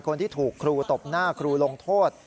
คนที่ถูกครูตบหน้าครูลงโทษ